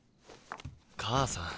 母さん。